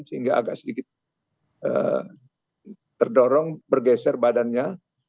sehingga agak sedikit terdorong bergeser badannya